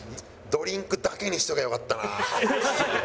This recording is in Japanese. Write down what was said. ドリンクだけにしとけばよかったな頼むの。